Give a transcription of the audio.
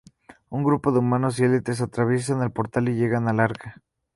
Un grupo de Humanos y Elites atraviesan el Portal y llegan al arca.